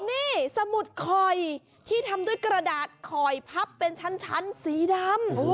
นี่สมุดคอยที่ทำด้วยกระดาษคอยพับเป็นชั้นสีดำ